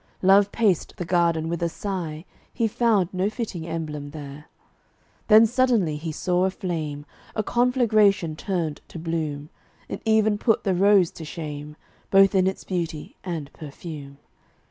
Love paced the garden with a sigh He found no fitting emblem there. Then suddenly he saw a flame, A conflagration turned to bloom; It even put the rose to shame, Both in its beauty and perfume.